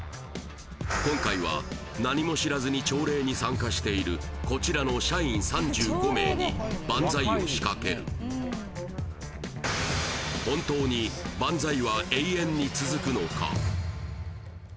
今回は何も知らずに朝礼に参加しているこちらの社員３５名にバンザイを仕掛けるいきますバンザイ！